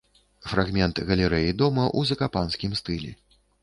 Фрагмент галерэі дома ў закапанскім стылі.